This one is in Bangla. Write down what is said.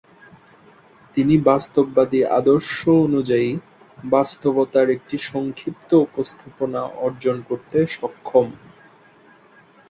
তিনি বাস্তববাদী আদর্শ অনুযায়ী বাস্তবতার একটি সংক্ষিপ্ত উপস্থাপনা অর্জন করতে সক্ষম।